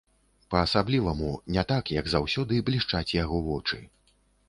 Па-асабліваму, не так як заўсёды, блішчаць яго вочы.